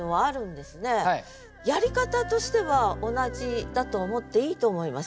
やり方としては同じだと思っていいと思います。